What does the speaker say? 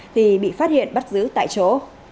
thì bị phát hiện bắt giữ tại chỗ